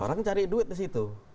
orang cari duit di situ